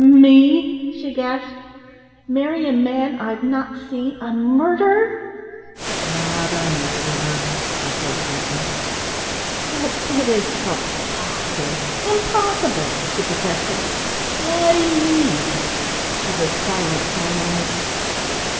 "Me?" she gasped. "Marry a man I've not seen a murderer?" "Not a murderer," he said gently. "But it is preposterous, impossible!" she protested. "Why me?" He was silent for a moment.